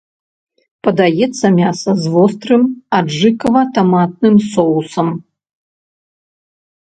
Падаецца мяса з вострым аджыкава-таматным соусам.